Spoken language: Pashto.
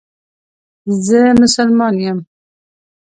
زه مسلمان یم